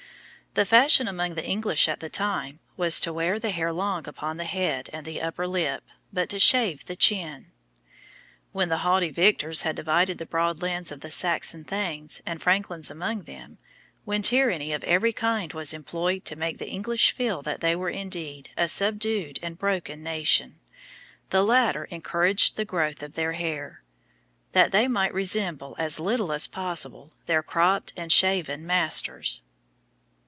The fashion among the English at the time was to wear the hair long upon the head and the upper lip, but to shave the chin. When the haughty victors had divided the broad lands of the Saxon thanes and franklins among them, when tyranny of every kind was employed to make the English feel that they were indeed a subdued and broken nation, the latter encouraged the growth of their hair, that they might resemble as little as possible their cropped and shaven masters.